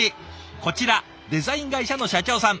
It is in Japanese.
こちらデザイン会社の社長さん。